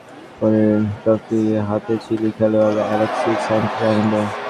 Copa আমেরিকার শিরোপা জয়ের পরে ট্রফি হাতে চিলির খেলোয়াড় অ্যালেক্সিস সানচেজের আনন্দ।